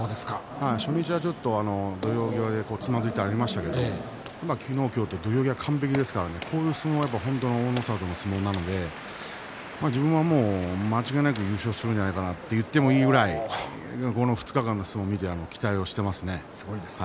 初日はちょっと土俵際でつまずいたのがありましたけど昨日今日は土俵際完璧ですからこういう相撲は大の里の相撲なので自分は間違いなく優勝するんじゃないかなと言っていいぐらいにこの２日間の相撲を見て期待はしていますね。